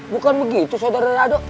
bukan begitu sodara rado